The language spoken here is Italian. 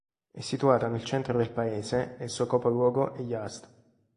È situata nel centro del paese e il suo capoluogo è Yazd.